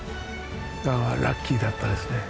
だからラッキーだったですね。